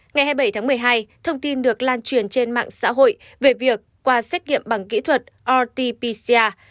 ngày hai mươi bảy tháng một mươi hai thông tin được lan truyền trên mạng xã hội về việc qua xét nghiệm bằng kỹ thuật rt pcr